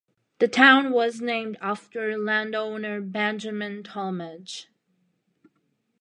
The town was named after landowner Benjamin Talmadge.